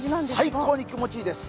最高に気持ちいいです。